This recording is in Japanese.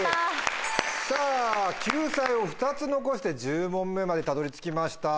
さぁ救済を２つ残して１０問目までたどり着きました。